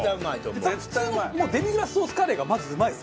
普通のデミグラスソースカレーがまずうまいですから。